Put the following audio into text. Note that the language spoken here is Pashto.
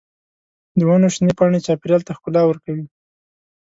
د ونو شنې پاڼې چاپېریال ته ښکلا ورکوي.